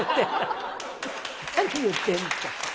何言ってんですか。